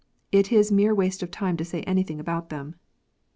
It is mere waste of time to say anything about them.